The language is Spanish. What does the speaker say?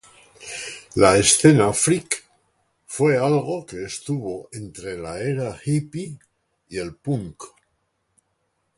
La escena freak fue algo que estuvo entre la era hippie y el punk.